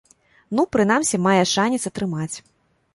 Ну, прынамсі, мае шанец атрымаць.